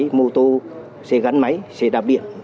đăng ký xe máy mô tô xe gắn máy xe đạp biển